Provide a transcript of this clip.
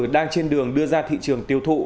đang trên đường đưa ra thị trường tiêu thụ